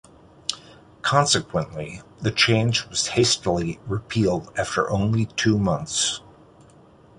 Consequently, the change was hastily repealed after only two months.